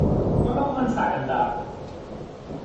Quan va començar a cantar?